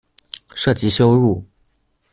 涉及羞辱